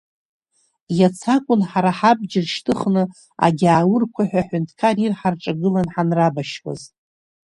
Иацы акун ҳара ҳабџьар шьҭыхны агьааурқуа ҳәа аҳәынҭқар ир ҳарҿагыланы ҳанрабашьуаз.